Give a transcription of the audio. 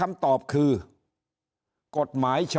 ถ้าท่านผู้ชมติดตามข่าวสาร